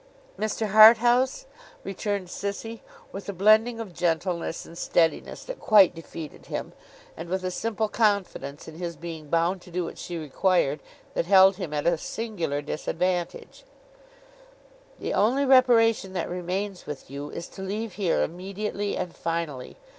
'Mr. Harthouse,' returned Sissy, with a blending of gentleness and steadiness that quite defeated him, and with a simple confidence in his being bound to do what she required, that held him at a singular disadvantage, 'the only reparation that remains with you, is to leave here immediately and finally.